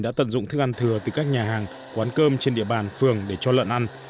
đã tận dụng thức ăn thừa từ các nhà hàng quán cơm trên địa bàn phường để cho lợn ăn